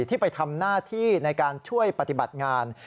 ที่ไปทำหน้าที่ในการช่วยปฏิบัติงาน